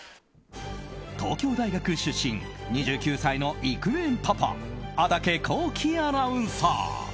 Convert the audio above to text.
東京大学出身２９歳のイクメンパパ安宅晃樹アナウンサー。